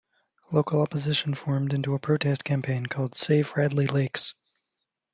Local opposition formed into a protest campaign called Save Radley Lakes.